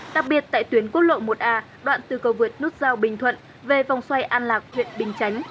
đặc biệt tại tuyến quốc lộ một a đoạn từ cầu vượt nút giao bình thuận về vòng xoay an lạc huyện bình chánh